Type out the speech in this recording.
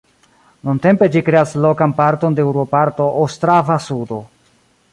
Nuntempe ĝi kreas lokan parton de urboparto Ostrava-Sudo.